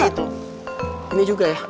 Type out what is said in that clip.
ini juga ya